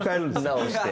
直して。